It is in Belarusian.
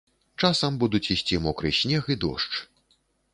Часам будуць ісці мокры снег і дождж.